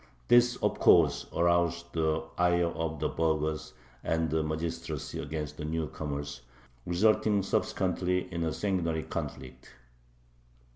This of course aroused the ire of the burghers and the magistracy against the new comers, resulting subsequently in a sanguinary conflict.